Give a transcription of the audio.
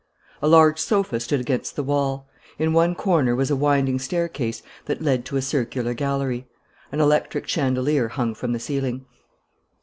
A large sofa stood against the wall. In one corner was a winding staircase that led to a circular gallery. An electric chandelier hung from the ceiling.